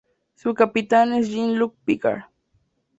Su capitán es Jean-Luc Picard.